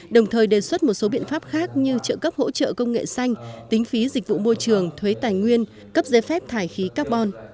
đồng thời đề xuất một số biện pháp khác như trợ cấp hỗ trợ công nghệ xanh tính phí dịch vụ môi trường thuế tài nguyên cấp giấy phép thải khí carbon